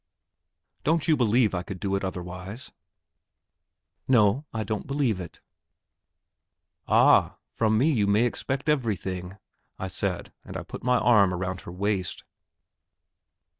"Don't you believe I could do it otherwise?" "No, I don't believe it." "Ah, from me you may expect everything," I said, and I put my arm around her waist.